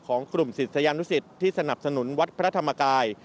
ของกลุ่มศิษยานุสิตที่สนับสนุนวัดพระธรรมกาย